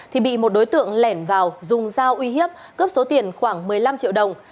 thì bị một đối tượng lẻn vào dùng dao uy hiếp cướp số tiền khoảng một mươi năm triệu đồng